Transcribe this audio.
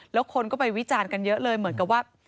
แล้วคนก็ไปวิจารณ์กันเยอะเลยเหมือนกับว่า